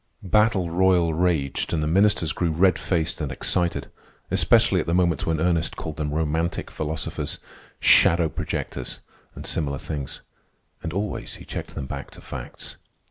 Battle royal raged, and the ministers grew red faced and excited, especially at the moments when Ernest called them romantic philosophers, shadow projectors, and similar things. And always he checked them back to facts.